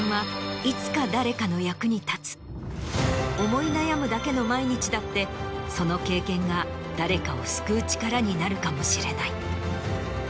思い悩むだけの毎日だってその経験が誰かを救う力になるかもしれない。